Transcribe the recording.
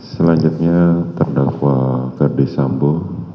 selanjutnya terdakwa gerdesambu